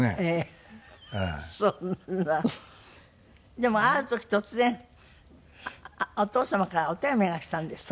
でもある時突然お父様からお手紙がきたんですって？